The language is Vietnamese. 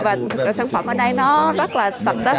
và sản phẩm ở đây nó rất là sạch